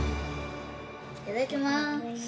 いただきます。